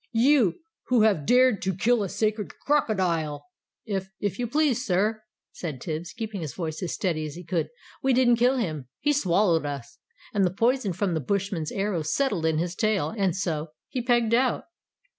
You who have dared to kill a sacred crocodile!" "If if you please, sir!" said Tibbs, keeping his voice as steady as he could, "we didn't kill him! He swallowed us, and the poison from the Bushmen's arrows settled in his tail and so he pegged out!"